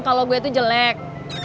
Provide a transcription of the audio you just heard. kalau gue tuh jelek